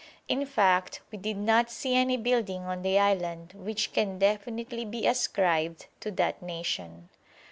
In fact we did not see any building on the island which can definitely be ascribed to that nation.